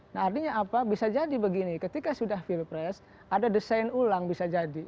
nah artinya apa bisa jadi begini ketika sudah pilpres ada desain ulang bisa jadi